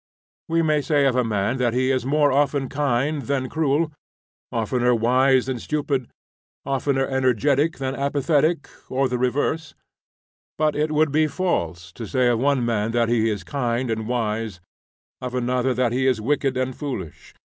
We may say of a man that he is more often kind than cruel, oftener wise than stupid, oftener energetic than apathetic, or the reverse; but it would be false to say of one man that he is kind and wise, of another that he is wicked and foolish.